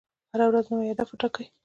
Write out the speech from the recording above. هره ورځ نوی هدف وټاکئ.